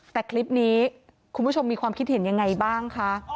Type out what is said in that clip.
แต่คลิปนี้คุณผู้ชมมีความคิดเห็นยังไงบ้างคะ